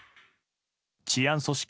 治安組織